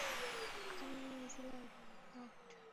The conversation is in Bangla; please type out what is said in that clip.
আমি মেইজি লকউড।